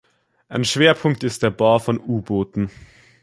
Ein Schwerpunkt ist der Bau von U-Booten.